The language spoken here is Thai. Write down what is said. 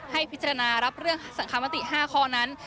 ให้พิจารณารับเรื่องสังคมติ๕ข้อนั้น